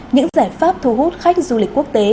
những giải pháp thu hút khách du lịch quốc tế